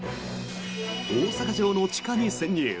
大阪城の地下に潜入！